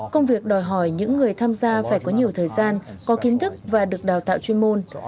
công việc đòi hỏi những người tham gia phải có nhiều thời gian có kiến thức và được đào tạo chuyên môn